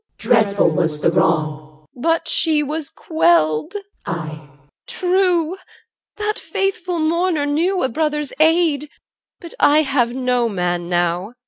CH. 7. Dreadful was the wrong. EL. But she was quelled. CH. 8. Ay. EL. True! That faithful mourner knew A brother's aid. But I Have no man now.